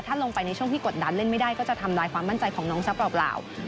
ถ้าลงไปในช่วงที่กดดันเล่นไม่ได้ก็จะทำลายความมั่นใจของน้องซะเปล่า